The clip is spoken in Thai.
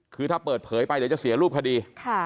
คือถ้าเปิดเผยไปเดี๋ยวจะเสียรูปคดี